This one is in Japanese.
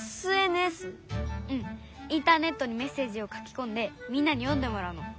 うんインターネットにメッセージを書きこんでみんなに読んでもらうの。